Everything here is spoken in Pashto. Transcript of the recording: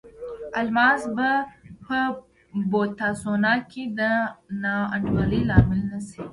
الماس به په بوتسوانا کې د نا انډولۍ لامل نه شي.